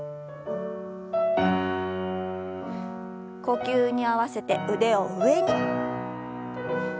呼吸に合わせて腕を上に。